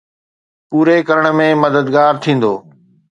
”پوري ڪرڻ ۾ مددگار ٿيندو؟